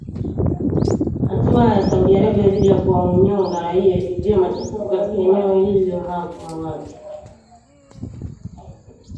Hatua ya Saudi Arabia dhidi ya kuwanyonga raia ilizua machafuko katika eneo hilo hapo awali